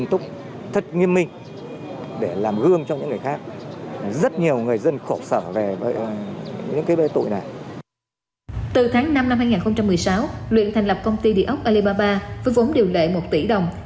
từ tháng năm năm hai nghìn một mươi sáu luyện thành lập công ty địa ốc alibaba với vốn điều lệ một tỷ đồng